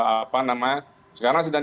apa namanya sekarang sedang